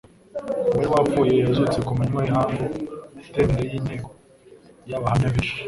Uwari wapfuye yazutse ku manywa y'ihangu itnbere y'inteko y'abahamya benshi.